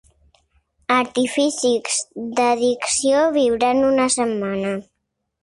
Artificis d'addició viuran una setmana.